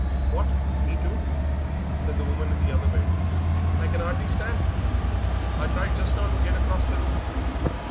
"What, me too?" said the woman in the other bed. "I can hardly stand; I tried just now to get across the room."